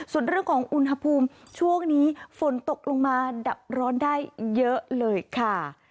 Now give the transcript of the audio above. ส่วนเรื่องของอุณหภูมิช่วงนี้ฝนตกลงมาดับร้อนได้เยอะเลยค่ะ